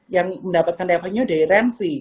yang mendapatkan revenue dari remv